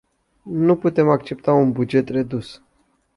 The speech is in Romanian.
Nu putem accepta un buget redus.